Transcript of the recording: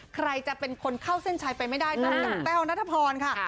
ใครจะเป็นคนเข้าเส้นชัยไปไม่ได้ต้องกับแป้วนาธพรค่ะค่ะ